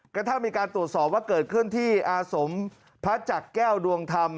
กระทั่งมีการตรวจสอบว่าเกิดขึ้นที่อาสมพระจักรแก้วดวงธรรม